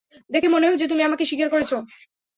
দেখে মনে হচ্ছে তুমি আমাকে শিকার করেছ।